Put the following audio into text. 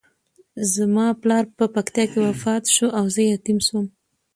زما پلار په پکتیکا کې وفات شو او زه یتیم شوم.